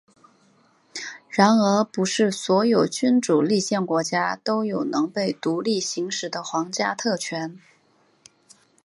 然而不是所有君主立宪国家都有能被独立行使的皇家特权。